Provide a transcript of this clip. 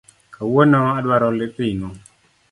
Kawuono adwaro ring’o